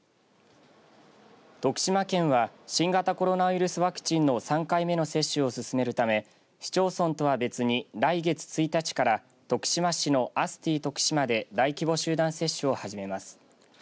徳島県は新型コロナウイルスワクチンの３回目の接種を進めるため市町村とは別に、来月１日から徳島市のアスティとくしまで大規模集団接種を始めます。